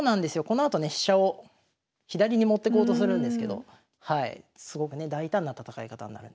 このあとね飛車を左に持ってこうとするんですけどすごくね大胆な戦い方になるんで。